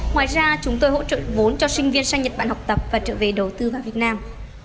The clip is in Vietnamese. ngoài ra chúng tôi hỗ trợ vốn cho sinh viên sang nhật bản học tập và trở về đầu tư vào việt nam